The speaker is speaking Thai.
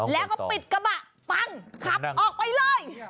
แล้วก็ปิดกระบะปั้งขับออกไปเลย